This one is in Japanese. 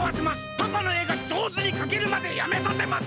パパの絵がじょうずにかけるまでやめさせません！